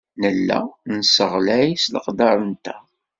Nella nesseɣlay s leqder-nteɣ.